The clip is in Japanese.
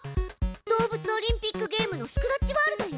動物オリンピックゲームのスクラッチワールドよ。